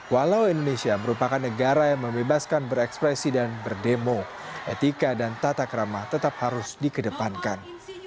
walau indonesia merupakan negara yang membebaskan berekspresi dan berdemo etika dan tata kerama tetap harus dikedepankan